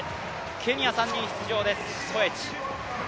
ケニア３人出場です、コエチ。